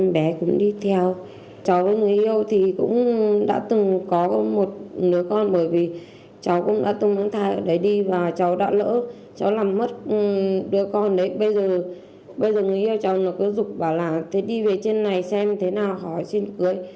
bây giờ người yêu cháu nó cứ rục bảo là đi về trên này xem thế nào hỏi xin cưới